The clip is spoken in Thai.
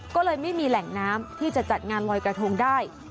ก็เลยไม่มีแหล่งน้ำที่จะจัดงานลอยกระทงได้